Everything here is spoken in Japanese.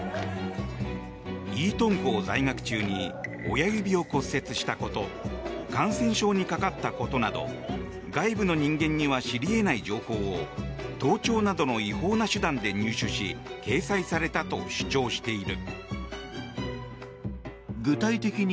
イートン校在学中に親指を骨折したこと感染症にかかったことなど外部の人間には知り得ない情報を盗聴などの違法な手段で入手し掲載されたと主張している。